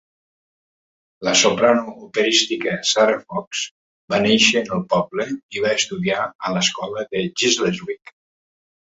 La soprano operística Sarah Fox va néixer en el poble i va estudiar a l'escola Giggleswick.